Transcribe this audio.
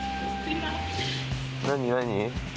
何何？